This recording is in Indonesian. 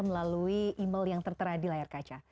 melalui email yang tertera di layar kaca